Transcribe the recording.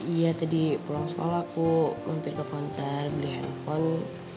iya tadi pulang sekolah aku mampir ke konter beli handphone